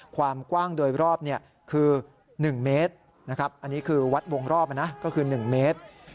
ความกว้างโดยรอบคือ๑เมตรนะครับอันนี้คือวัดวงรอบนะก็คือ๑เมตร